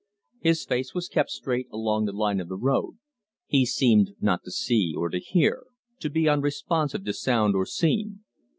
His face was kept straight along the line of the road; he seemed not to see or to hear, to be unresponsive to sound or scene.